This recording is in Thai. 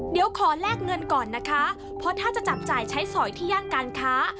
เดี๋ยวขอแลกเงินก่อนนะคะเพราะถ้าจะจับจ่ายใช้สอยที่ย่านการค้า